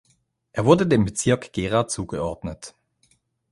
Er wurde dem Bezirk Gera zugeordnet.